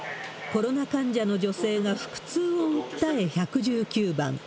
コロナ患者の女性が腹痛を訴え１１９番。